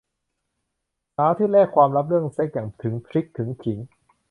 สาวที่แลกความลับเรื่องเซ็กส์อย่างถึงพริกถึงขิง